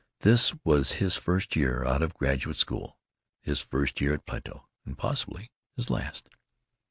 This was his first year out of graduate school, his first year at Plato—and possibly his last.